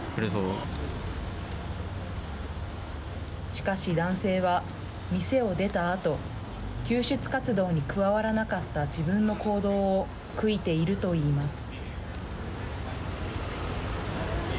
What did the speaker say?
しかし、男性は店を出たあと救出活動に加わらなかった自分の行動を悔いていると言います。